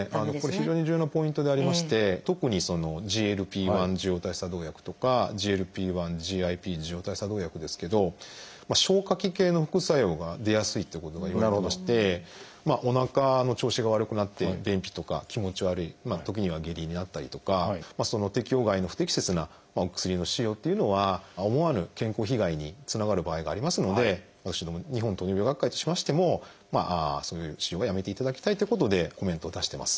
非常に重要なポイントでありまして特にＧＬＰ−１受容体作動薬とかＧＬＰ−１／ＧＩＰ受容体作動薬ですけど消化器系の副作用が出やすいってことがいわれてましておなかの調子が悪くなって便秘とか気持ち悪い時には下痢になったりとか適応外の不適切なお薬の使用っていうのは思わぬ健康被害につながる場合がありますので私ども日本糖尿病学会としましてもそういう治療はやめていただきたいということでコメントを出してます。